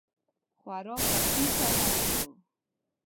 خورا ګپي سړی وو.